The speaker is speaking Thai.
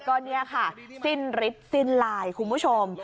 ก็เนี่ยค่ะสิ้นฤทธิสิ้นลายคุณผู้ชม